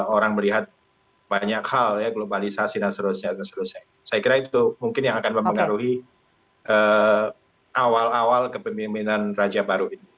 orang melihat banyak hal ya globalisasi dan seterusnya saya kira itu mungkin yang akan mempengaruhi awal awal kepemimpinan raja baru ini